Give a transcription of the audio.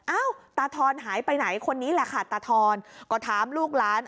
เอ้าตาทอนหายไปไหนคนนี้แหละค่ะตาทอนก็ถามลูกหลาน